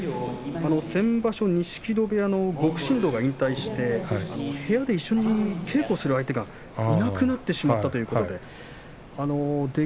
先場所、錦戸部屋の極芯道が引退して部屋で一緒に稽古をする相手がいなくなってしまったということで出